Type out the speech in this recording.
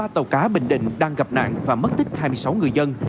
ba tàu cá bình định đang gặp nạn và mất tích hai mươi sáu người dân